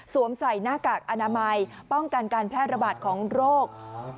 ใส่หน้ากากอนามัยป้องกันการแพร่ระบาดของโรค